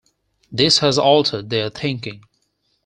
This has altered their thinking.